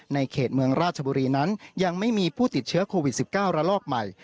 ในเขตเมืองราชบุรีนั้นยังไม่มีผู้ติดเชื้อโควิด๑๙ระลอกใหม่